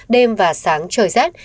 đêm và sáng trời rát